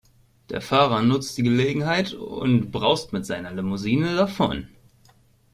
Der Fahrer nutzt die Gelegenheit und braust mit seiner Limousine davon.